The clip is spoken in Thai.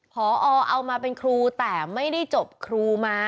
พอเอามาเป็นครูแต่ไม่ได้จบครูมา